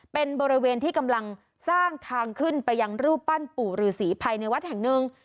เป็นบริเวณที่กำลังสร้างทางขึ้นไปยังรูปปั้นปู่ฤษีภายในวัดแห่งหนึ่ง